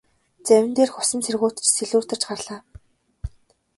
Завин дээрх усан цэргүүд ч сэлүүрдэж гарлаа.